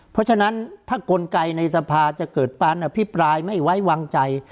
เพราะฉะนั้นถ้ากลไกในสภาจะเกิดการอภิปรายไม่ไว้วางใจ